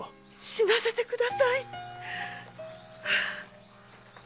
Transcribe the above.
死なせてください！